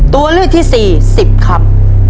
ตัวเลือกที่สี่๑๐คำ